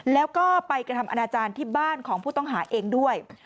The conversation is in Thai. แล้วก็ไปกระทำอนาจารย์ที่บ้านของผู้ต้องหาเองด้วย